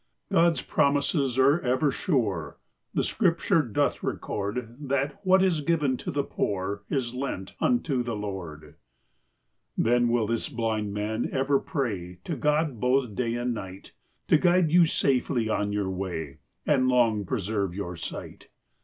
God's promises are ever sure, • The scripture. <doth record That what is given to the poor ! Is lent unto the Lord. I Then will this blind man over pray ! To God both day and night I To guide you safely on your way, ! And long preserve your sight.